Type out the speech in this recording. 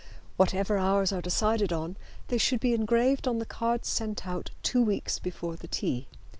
Whatever hours are decided on, they should be engraved on the cards sent out two weeks before the tea.